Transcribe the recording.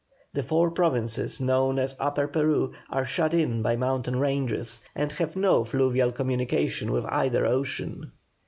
The four provinces known as Upper Peru are shut in by mountain ranges, and have no fluvial communication with either ocean.